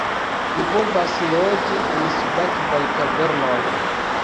"Ni povas loĝi en subakvaj kavernoj!"